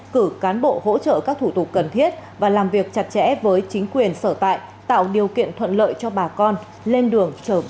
cử cán bộ hỗ trợ các thủ tục cần thiết và làm việc chặt chẽ với chính quyền sở tại tạo điều kiện thuận lợi cho bà con lên đường trở về